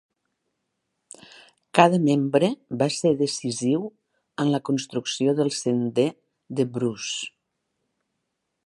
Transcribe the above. Cada membre va ser decisiu en la construcció del Sender de Bruce.